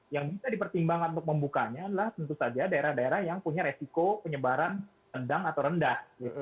yang bisa dipertimbangkan untuk membukanya adalah tentu saja daerah daerah yang punya resiko penyebaran sedang atau rendah